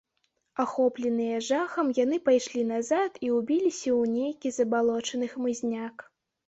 Ахопленыя жахам, яны пайшлі назад і ўбіліся ў нейкі забалочаны хмызняк.